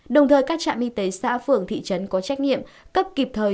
đồng thời các trạm y tế xã phường thị trấn có trách nhiệm cấp kịp thời